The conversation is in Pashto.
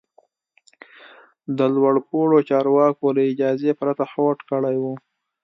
د لوړ پوړو چارواکو له اجازې پرته هوډ کړی و.